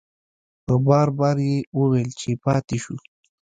په بار بار یې وویل چې پاتې شو.